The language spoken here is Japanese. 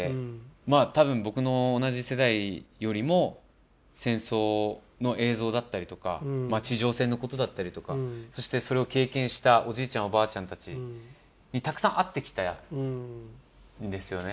まあ多分僕の同じ世代よりも戦争の映像だったりとか地上戦のことだったりとかそしてそれを経験したおじいちゃんおばあちゃんたちにたくさん会ってきたんですよね。